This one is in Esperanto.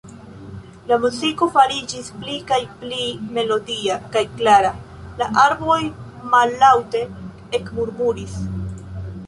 La muziko fariĝis pli kaj pli melodia kaj klara; la arboj mallaŭte ekmurmuris.